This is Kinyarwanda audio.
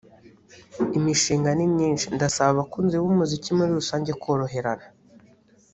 Imishinga ni myinshi ndasaba abakunzi b’umuziki muri rusange koroherana